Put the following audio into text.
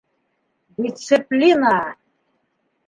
Дисциплина!